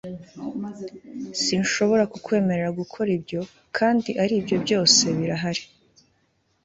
Sinshobora kukwemerera gukora ibyo kandi aribyo byose birahari